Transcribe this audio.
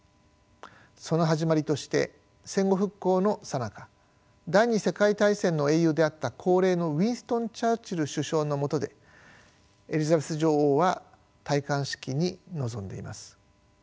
その始まりとして戦後復興のさなか第２次世界大戦の英雄であった高齢のウィンストン・チャーチル首相のもとでエリザベス女王は戴冠式に臨んでいます。